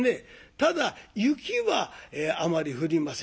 ただ雪はあまり降りません。